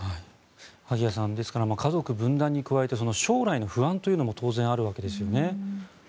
萩谷さん、ですから家族分断に加えて将来の不安というのも当然あるわけですよね。